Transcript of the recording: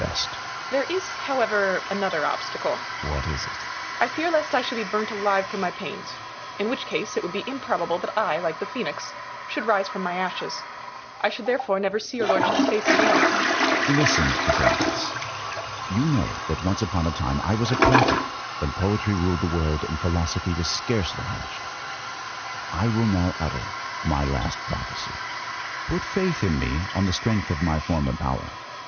There is however yet another obstacle. Sion. What is it ? Copernicus. I fear lest I should be burnt alive for my pains. In which case, it would be improbable that I, like the Phoenix, should rise from my ashes. I should therefore never see your Lordship's face again. Su7i. Listen, Copernicus. You know that once upon a time I was a prophet, when poetry ruled the world, and philosophy was scarcely hatched. I will now utter my last prophecy. Put faith in me on the strength of my former power.